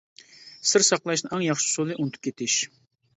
سىر ساقلاشنىڭ ئەڭ ياخشى ئۇسۇلى ئۇنتۇپ كېتىش.